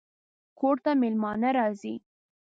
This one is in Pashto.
کور ته مېلمانه راځي